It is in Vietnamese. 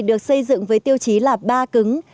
được xây dựng với tiêu chí là ba cứng